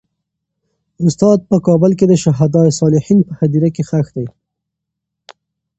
استاد په کابل کې د شهدا صالحین په هدیره کې خښ دی.